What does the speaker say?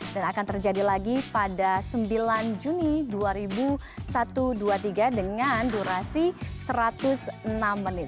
dan akan terjadi lagi pada sembilan juni dua ribu dua puluh satu dua ribu dua puluh tiga dengan durasi satu ratus enam menit